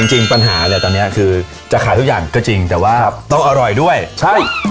จริงปัญหาเนี่ยตอนนี้คือจะขายทุกอย่างก็จริงแต่ว่าต้องอร่อยด้วยใช่